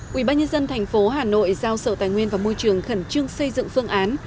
quỹ ban nhân dân thành phố hà nội giao sở tài nguyên và môi trường khẩn trương xây dựng phương án